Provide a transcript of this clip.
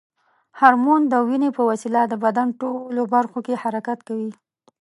هورمون د وینې په وسیله د بدن ټولو برخو کې حرکت کوي.